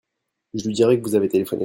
Je lui dirai que vous avez téléphoné.